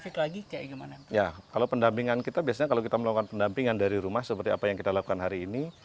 kalau pendampingan kita biasanya kalau kita melakukan pendampingan dari rumah seperti apa yang kita lakukan hari ini